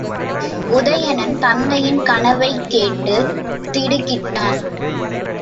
உதயணன் தத்தையின் கனவைக் கேட்டுத்திடுக்கிட்டான்.